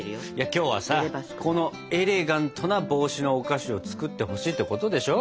今日はさエレガントな帽子のお菓子を作ってほしいってことでしょ？